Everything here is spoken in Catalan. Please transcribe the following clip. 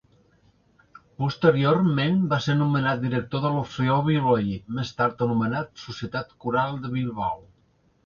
Posteriorment, va ser nomenat director de l'Orfeó Bilbaí, més tard anomenat Societat Corall de Bilbao.